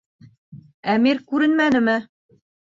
Әмир күренмәнеме?